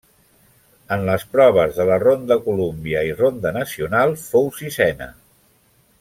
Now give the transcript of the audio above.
En les proves de la ronda Columbia i ronda Nacional fou sisena.